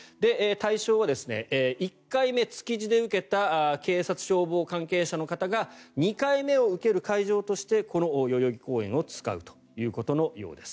対象は１回目、築地で受けた警察・消防関係者の方が２回目を受ける会場としてこの代々木公園を使うということのようです。